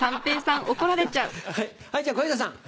はいじゃ小遊三さん。